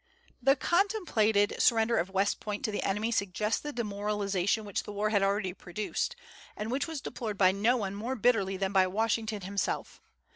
The contemplated surrender of West Point to the enemy suggests the demoralization which the war had already produced, and which was deplored by no one more bitterly than by Washington himself.